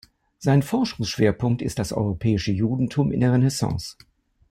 Sein Forschungsschwerpunkt ist das europäische Judentum in der Renaissance.